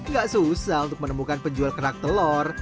gak susah untuk menemukan penjual kerak telur